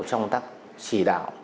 trong các chỉ đạo